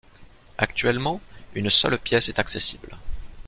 Actuellement, une seule pièce est accessible.